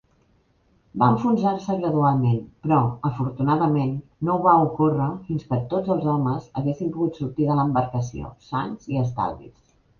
Va enfonsar-se gradualment, però, afortunadament, no va ocórrer fins que tots els homes haguessin pogut sortir de l'embarcació sans i estalvis.